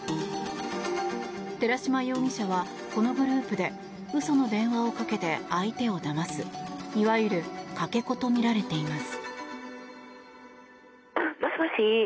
寺島容疑者は、このグループで嘘の電話をかけて相手をだますいわゆるかけ子とみられています。